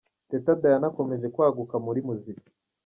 Teta Diana akomeje kwaguka muri muzika